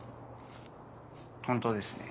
本当ですね。